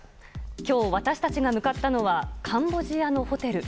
今日、私たちが向かったのはカンボジアのホテル。